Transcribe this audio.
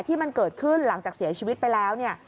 ที่มันเกิดขึ้นหลังจากเสียชีวิตไปแล้วเนี่ย